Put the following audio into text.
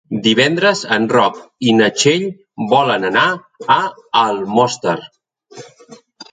Divendres en Roc i na Txell volen anar a Almoster.